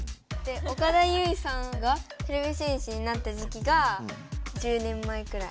岡田結実さんがてれび戦士になった時期が１０年前くらい。